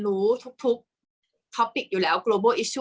กากตัวทำอะไรบ้างอยู่ตรงนี้คนเดียว